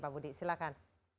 pak budi silakan